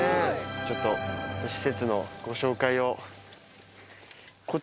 ちょっと施設のご紹介を。